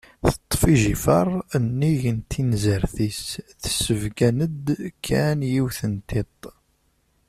Teṭṭef ijifer nnig n tinezrt-is, tessebgan-d kan yiwet n tiṭ.